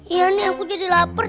iya nih aku jadi lapar